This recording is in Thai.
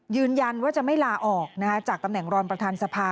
ยืนยันว่าจะไม่ลาออกจากตำแหน่งรองประธานสภา